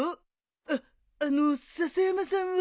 あっあのう笹山さんは？